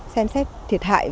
xem xét thiệt hại